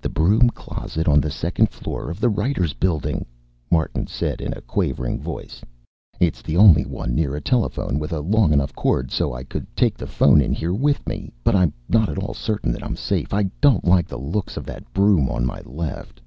"The broom closet on the second floor of the Writers' Building," Martin said in a quavering voice. "It's the only one near a telephone with a long enough cord so I could take the phone in here with me. But I'm not at all certain that I'm safe. I don't like the looks of that broom on my left."